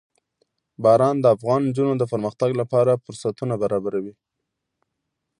باران د افغان نجونو د پرمختګ لپاره فرصتونه برابروي.